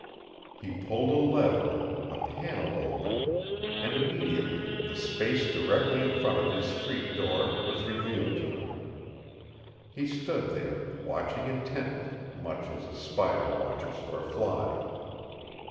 He pulled a lever, a panel opened, and immediately the space directly in front of his street door was revealed to him. He stood there, watching intently, much as a spider watches for a fly.